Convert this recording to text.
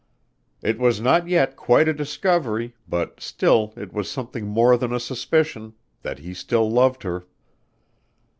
It was not yet quite a discovery, but still it was something more than a suspicion that he still loved her.